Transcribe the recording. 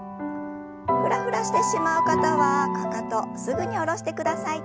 フラフラしてしまう方はかかとすぐに下ろしてください。